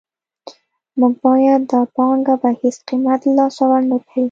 موږ باید دا پانګه په هېڅ قیمت له لاسه ورنکړو